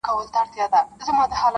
يوه ورځ يو ځوان د کلي له وتلو فکر کوي,